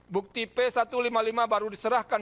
bukti p satu ratus lima puluh lima baru diserahkan